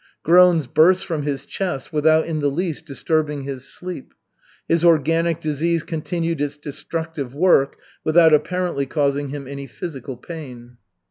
Groans burst from his chest without in the least disturbing his sleep. His organic disease continued its destructive work, without apparently causing him any physical pain.